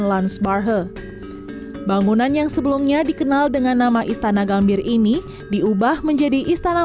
lans barhe bangunan yang sebelumnya dikenal dengan nama istana gambir ini diubah menjadi istana